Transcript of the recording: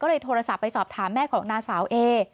ก็เลยโทรศัพท์ไปสอบถามแม่ของนางสาวเอ